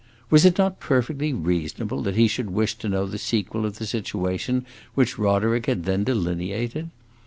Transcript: Was it not perfectly reasonable that he should wish to know the sequel of the situation which Roderick had then delineated?